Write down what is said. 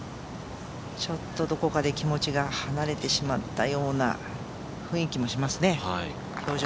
ちょっとどこかで気持ちが離れてしまったような雰囲気がしますね。